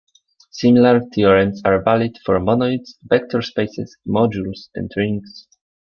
Similar theorems are valid for monoids, vector spaces, modules, and rings.